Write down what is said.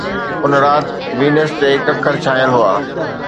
اُن رات، وينس تي ڪڪر ڇانيل هئا